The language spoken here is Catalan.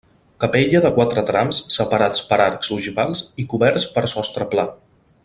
Capella de quatre trams separats per arcs ogivals i coberts per sostre pla.